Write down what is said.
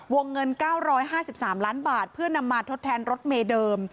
วงเงิน๙๕๓ล้านบาทเพื่อนำมาทดแทนรถเมย์เดิม